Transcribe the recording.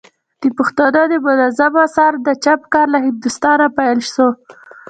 د پښتو دمنظومو آثارو د چاپ کار له هندوستانه پيل سو.